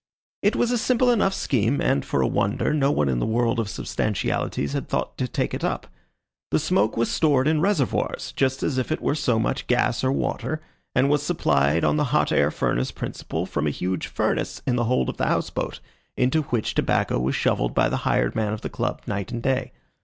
It was a simple enough scheme, and, for a wonder, no one in the world of substantialities has thought to take it up. The smoke was stored in reservoirs, just as if it were so much gas or water, and was supplied on the hot air furnace principle from a huge furnace in the hold of the house boat, into which tobacco was shovelled by the hired man of the club night and day.